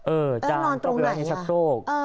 เออจานก็ไปไว้ในชักโต๊ะ